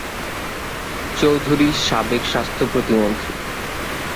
চৌধুরী সাবেক স্বাস্থ্য প্রতিমন্ত্রী।